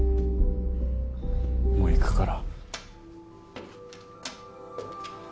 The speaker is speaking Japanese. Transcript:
もう行くから。